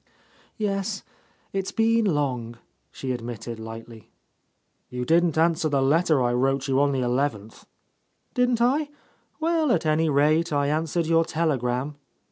"Yes, it's been long," she admitted lightly. "You didn't answer the letter I wrote you on the eleventh." "Didn't I? Well, at any rate I answered your telegram."